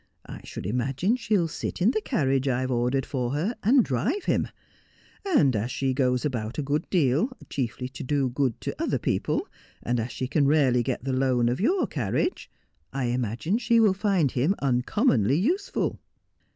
' I should imagine she'll sit in the carriage I have ordered for her and drive him : and as she goes about a good deal, chiefly to do good to other people, and as she can rarely get the loan of your carriage, I imagine she will find him uncommonly useful.'